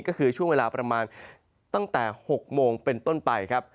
ก็คือช่วงเวลาประมาณตั้งแต่๖โมงเป็นต้นไปครับ